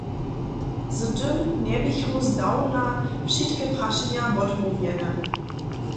Z tym njeběchu zdawna wšitke prašenja wotmołwjene.